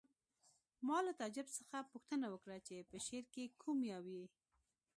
ما له تعجب څخه پوښتنه وکړه چې په شعر کې کوم یو یې